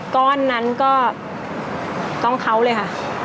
ก้อนนั้นก็ต้องเขาเลยค่ะ